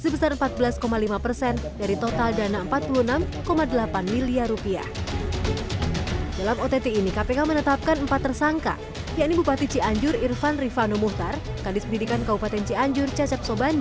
kepala kepala kepala